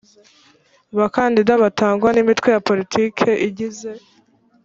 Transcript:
bakandida batangwa n imitwe ya politiki igize